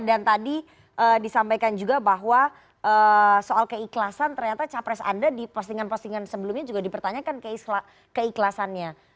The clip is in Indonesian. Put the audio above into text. dan tadi disampaikan juga bahwa soal keikhlasan ternyata capres anda di postingan postingan sebelumnya juga dipertanyakan keikhlasannya